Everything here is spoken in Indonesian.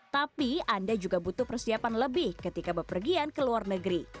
tapi anda juga butuh persiapan lebih ketika berpergian ke luar negeri